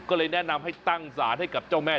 แล้วก็แนะนำให้ตั้งสาธิ์ให้เจ้าแม่